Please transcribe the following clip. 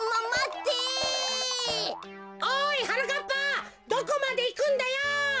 ぱどこまでいくんだよ！